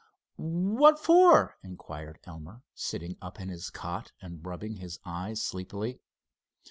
"What for?" inquired Elmer, sitting up in his cot and rubbing his eyes sleepily.